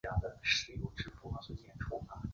现有的议会。